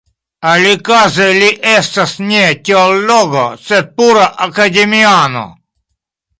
Alikaze li estas ne teologo sed pura akademiano.